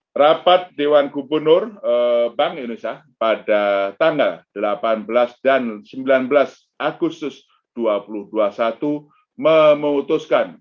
hai rapat dewan gubernur bank indonesia pada tanggal delapan belas dan sembilan belas agustus dua ribu dua puluh satu memutuskan